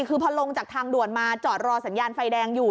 คือพอลงจากทางด่วนมาจอดรอสัญญาณไฟแดงอยู่